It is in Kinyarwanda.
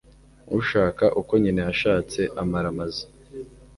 ushaka uko nyina yashatse amara amazu